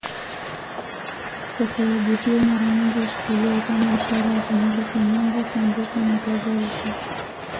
Kwa sababu hiyo, mara nyingi huchukuliwa kama ishara ya kumiliki nyumba, sanduku nakadhalika.